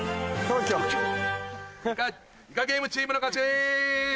『イカゲーム』チームの勝ち！